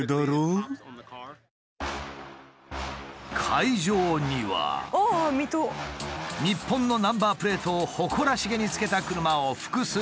会場には日本のナンバープレートを誇らしげにつけた車を複数発見！